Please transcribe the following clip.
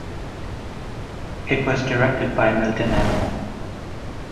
It was directed by Milton Aborn.